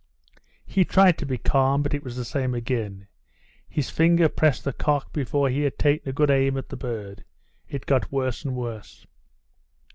He tried to be calm, but it was the same again. His finger pressed the cock before he had taken a good aim at the bird. It got worse and worse.